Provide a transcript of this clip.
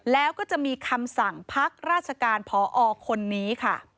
แล้วก็จะมีคำสั่งพักราชการพอคนนี้ค่ะ